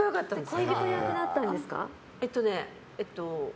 恋人役だったんですか？